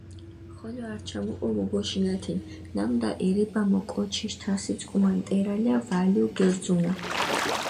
ხოლო ართშა მოკო გუგოშინათინ, ნამდა ერებამო კოჩიშ თასიწკუმა ნტერალა ვალო გერძუნა.